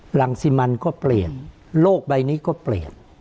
หลังสิมันก็เปลี่ยนโลกใบนี้ก็เปลี่ยน